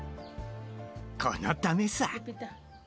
このためさ。